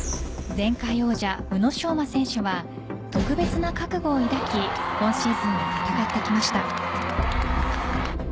前回王者・宇野昌磨選手は特別な覚悟を抱き今シーズン戦ってきました。